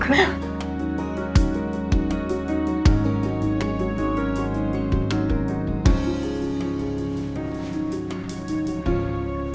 ya makasih ya dok